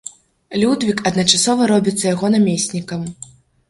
Людвік адначасова робіцца яго намеснікам.